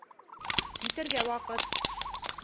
Китергә ваҡыт